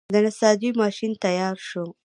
د نساجۍ ماشین تیار شو.